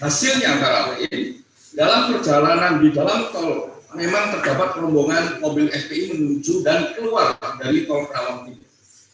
hasilnya antara lain dalam perjalanan di dalam tol memang terdapat rombongan mobil fpi menuju dan keluar dari tol perawang timur